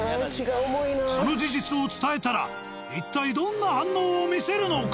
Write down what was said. その事実を伝えたら一体どんな反応を見せるのか？